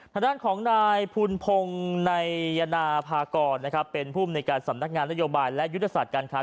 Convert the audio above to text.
ทางด้านของนายภูนิผงไนยนาภากรเป็นผู้อำนวยการสำนักงานนโยบายและยุธศาสตร์การค้า